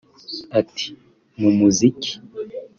Ati “Mu muziki